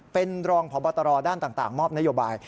เป็นรองพบตรด้านต่างมอบนโยบาย